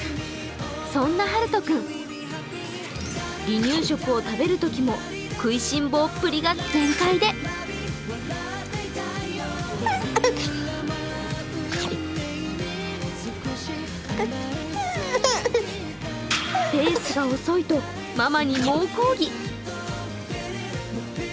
そんなはると君、離乳食を食べるときも食いしん坊っぷりが全開でペースが遅いとママに猛抗議。